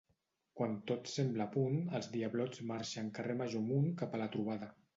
Quan tot sembla a punt, els diablots marxen carrer major amunt cap a la trobada.